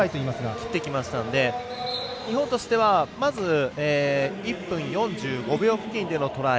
切ってきましたので日本としては、まず１分４５秒付近でのトライ